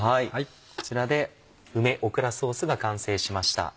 こちらで梅オクラソースが完成しました。